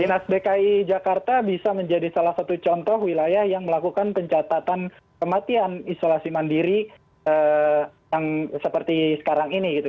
dinas dki jakarta bisa menjadi salah satu contoh wilayah yang melakukan pencatatan kematian isolasi mandiri yang seperti sekarang ini gitu